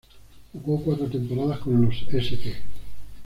Jugó cuatro temporadas con los "St.